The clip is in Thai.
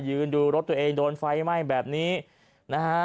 ยืนดูรถตัวเองโดนไฟไหม้แบบนี้นะฮะ